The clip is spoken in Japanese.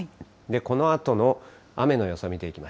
このあとの雨の予想を見ていきま